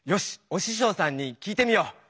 おししょうさんに聞いてみよう！